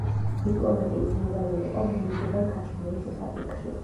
დიპლომატიის მიზანი იყო მორიგება ქაშმირის საკითხში.